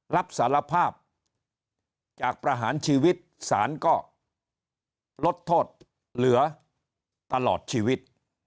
รับสารภาพจากประหารชีวิตสารก็ลดโทษเหลือตลอดชีวิต